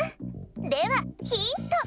ではヒント！